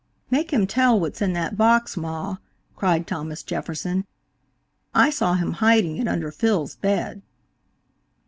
"Make him tell what's in that box, ma," cried Thomas Jefferson. "I saw him hiding it under Phil's bed."